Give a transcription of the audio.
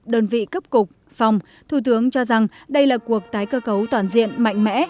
đơn vị cấp cục phòng thủ tướng cho rằng đây là cuộc tái cơ cấu toàn diện mạnh mẽ